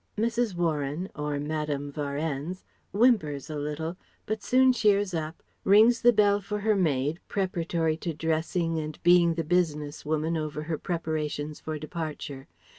[Mrs. Warren or Madame Varennes whimpers a little, but soon cheers up, rings the bell for her maid preparatory to dressing and being the business woman over her preparations for departure.